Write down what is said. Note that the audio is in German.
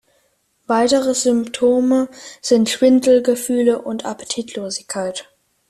Weitere Symptome sind Schwindelgefühle und Appetitlosigkeit.